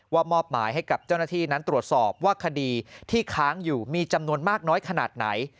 มอบหมายให้กับเจ้าหน้าที่นั้นตรวจสอบว่าคดีที่ค้างอยู่มีจำนวนมากน้อยขนาดไหน